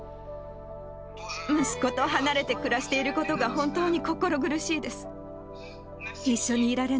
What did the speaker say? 息子と離れて暮らしていることが、本当に心苦しいです。